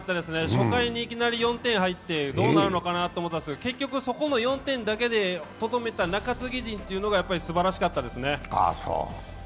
初回にいきなり４点入ってどうなるのかなと思ったんですが、結局、そこの４点だけでとどめた中継ぎ陣がやっぱりすばらしかったですね。